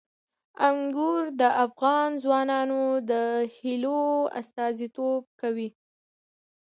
انګور د افغان ځوانانو د هیلو استازیتوب کوي.